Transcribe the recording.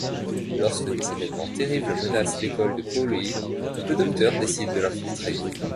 Lorsque des événements terribles menacent l'école de Coal Hill, le Docteur décide de l'infiltrer.